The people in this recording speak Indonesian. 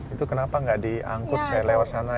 itu kenapa nggak diangkut saya lewat sana